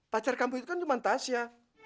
pacar kamu itu kan cuman tasya